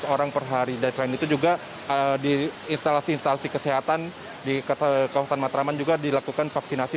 seratus orang per hari dan selain itu juga di instalasi instalasi kesehatan di kawasan matraman juga dilakukan vaksinasi